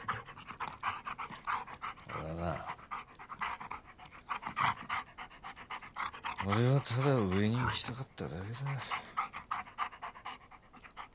俺はな俺はただ上に行きたかっただけだ。